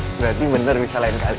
berarti benar bisa lain kali